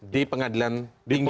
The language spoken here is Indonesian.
di pengadilan tinggi